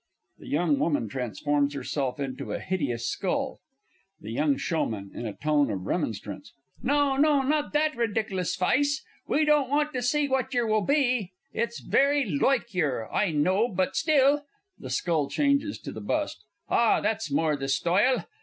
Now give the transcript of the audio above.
[The Young Woman transforms herself into a hideous Skull. THE Y. S. (in a tone of remonstrance). No no, not that ridiklous fice! We don't want to see what yer will be it's very loike yer, I know but still (the skull changes to the Bust.) Ah, that's more the stoyle!